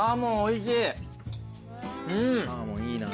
サーモンいいな。